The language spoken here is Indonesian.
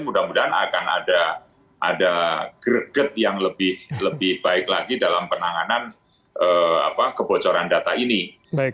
mudah mudahan akan ada greget yang lebih baik lagi dalam penanganan kebocoran data ini